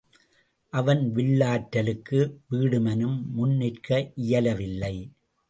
அவன் வில்லாற்றலுக்கு வீடுமனும் முன் நிற்க இயலவில்லை.